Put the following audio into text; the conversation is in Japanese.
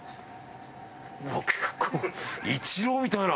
結構イチローみたいな。